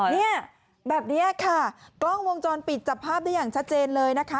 เนี่ยแบบนี้ค่ะกล้องวงจรปิดจับภาพได้อย่างชัดเจนเลยนะคะ